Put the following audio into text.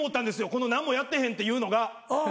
この何もやってへんっていうのが。